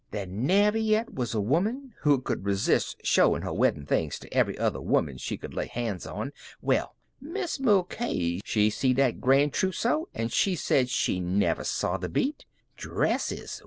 There never yet was a woman who cud resist showin' her weddin' things to every other woman she cud lay hands on. Well, Mis' Mulcahy, she see that grand trewsow and she said she never saw th' beat. Dresses!